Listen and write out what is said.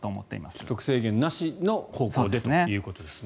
所得制限なしの方向でということですね。